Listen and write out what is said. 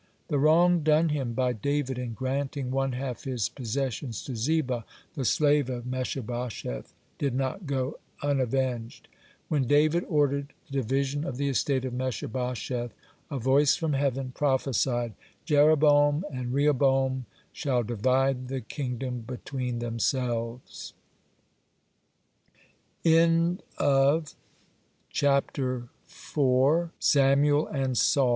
(111) The wrong done him by David in granting one half his possessions to Ziba, the slave of Mephibosheth, did not go unavenged. When David ordered the division of the estate of Mephibosheth, a voice from heaven prophesied: "Jeroboam and Rehoboam shall divide the kingdom between thems